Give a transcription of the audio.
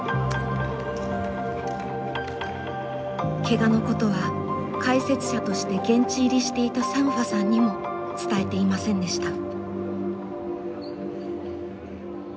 けがのことは解説者として現地入りしていたサンファさんにも伝えていませんでした。